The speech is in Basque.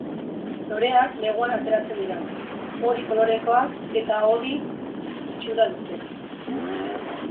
Loreak neguan ateratzen dira, hori kolorekoak eta hodi itxura dute.